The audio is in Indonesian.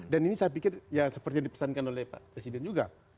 dan ini saya pikir seperti yang dipesankan oleh pak presiden juga